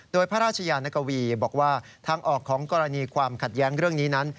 โดยพระราชยานกวีบอกว่าทางออกของกรณีความขัดแย้งเรื่องนี้นั้น